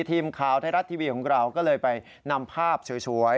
ทีมข่าวไทยรัฐทีวีของเราก็เลยไปนำภาพสวย